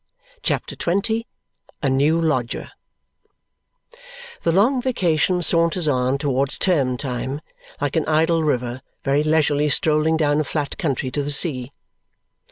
CHAPTER XX A New Lodger The long vacation saunters on towards term time like an idle river very leisurely strolling down a flat country to the sea.